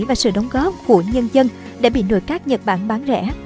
và sự đóng góp của nhân dân đã bị nội các nhật bản bán rẻ